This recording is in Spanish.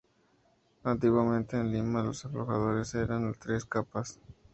Antiguamente en Lima lo alfajores eran de tres capas.